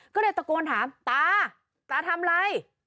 เสร็จตะโกนถามตาตาทำไร